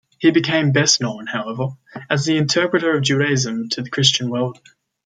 He became best known, however, as the interpreter of Judaism to the Christian world.